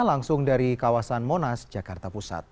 langsung dari kawasan monas jakarta pusat